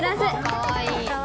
かわいい。